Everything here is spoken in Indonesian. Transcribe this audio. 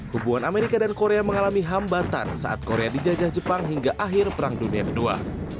hubungan amerika dan korea mengalami hambatan saat korea dijajah jepang hingga akhir perang dunia ii